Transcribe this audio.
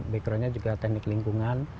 backgroundnya juga teknik lingkungan